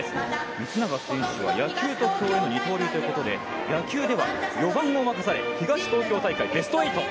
光永選手は野球と競泳の二刀流ということで野球では４番を任され、東京大会ではベスト８。